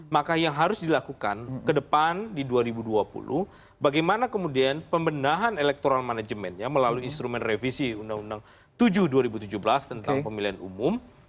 maka yang harus dilakukan ke depan di dua ribu dua puluh bagaimana kemudian pembenahan electoral managementnya melalui instrumen revisi undang undang tujuh dua ribu tujuh belas tentang pemilihan umum